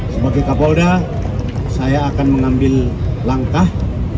sebagai kapolda saya akan mengambil langkah